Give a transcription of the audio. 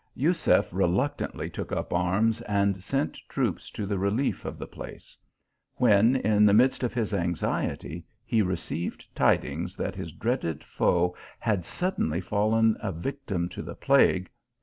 Jusef reluctantly took up arms, and sent troops to the re 800 THE AL1IAMB11A. lief of the place ; when, in the midst of his anxiety, he received tidings that his dreaded foe had suddenly fallen a victim to the plague.